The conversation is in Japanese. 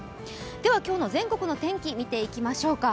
では、今日の全国の天気、見ていきましょうか。